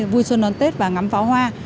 vui xuân đón tết và ngắm pháo hoa